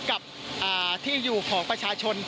กับที่อยู่ของประชาชน